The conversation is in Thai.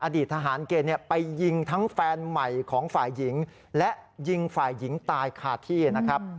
อดีตทหารเกณฑ์ไปยิงทั้งแฟนใหม่ของฝ่ายหญิงและยิงฝ่ายหญิงตายคาที่นะครับ